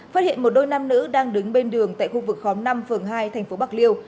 phát hiện một đôi nam nữ đang đứng bên đường tại khu vực khóm năm phường hai tp bắc liêu